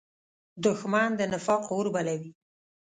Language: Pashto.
دښمن د نفاق اور بلوي